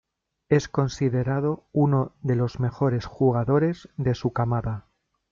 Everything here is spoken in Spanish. Es considerado uno de los mejores jugadores de su camada.